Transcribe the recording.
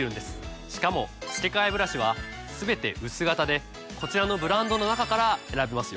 しかも付け替えブラシはすべて薄型でこちらのブランドの中から選べますよ。